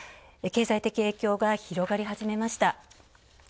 経済的影響が広がり始めました。